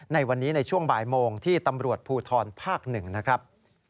ในวันนี้ในช่วงบ่ายโมงที่ตำรวจภูทรภาค๑นะครับ